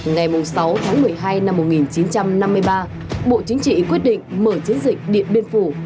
ngày sáu tháng một mươi hai năm một nghìn chín trăm năm mươi ba bộ chính trị quyết định mở chiến dịch điện biên phủ